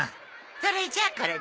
それじゃあこれで。